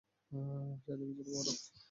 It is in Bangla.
চারিদিকে ছিল বরফ।